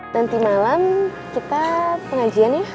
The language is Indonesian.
nanti malam kita pengajian nih